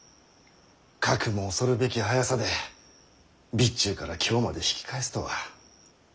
かくも恐るべき速さで備中から京まで引き返すとは。